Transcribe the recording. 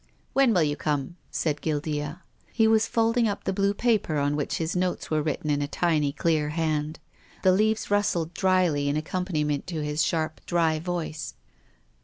" When will you come?" said Guildea. He was folding up the blue paper on which his notes were written in a tiny, clear hand. The leaves rustled drily in accompaniment to his sharp, dry voice.